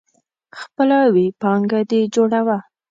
خپله ويي پانګه دي جوړوه.